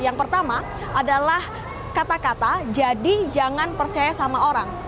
yang pertama adalah kata kata jadi jangan percaya sama orang